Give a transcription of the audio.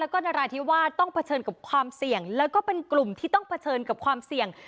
แล้วก็นราธิวาสต้องเผชิญกับความเสี่ยงแล้วก็เป็นกลุ่มที่ต้องเผชิญกับความเสี่ยง